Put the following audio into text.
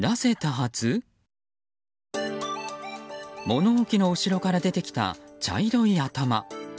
物置の後ろから出てきた茶色い頭。